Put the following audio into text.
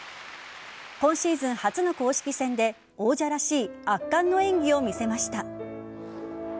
今シーズン初の公式戦で王者らしい圧巻の演技を見せました。